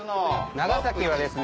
長崎はですね